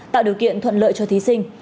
tạo điều kiện thuận lợi cho thí sinh